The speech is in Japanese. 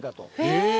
へえ。